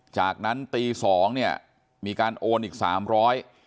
จากนั้นตี๒มีการโอนอีก๓๐๐บาท